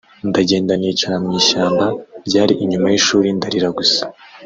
ndagenda nicara mu ishyamba ryari inyuma y’ishuli ndarira gusa